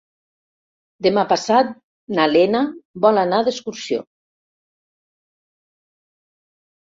Demà passat na Lena vol anar d'excursió.